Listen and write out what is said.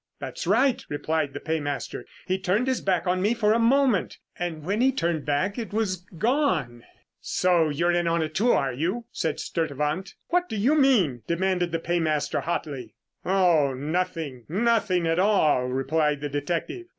"That's right," replied the paymaster. "He turned his back on me for a moment, and when he turned back, it was gone." "So you're in on it too, are you?" said Sturtevant. "What do you mean?" demanded the paymaster hotly. "Oh nothing, nothing at all," replied the detective.